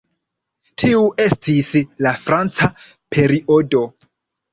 Tiu estis la "franca periodo".